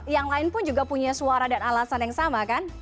yang lain pun juga punya suara dan alasan yang sama kan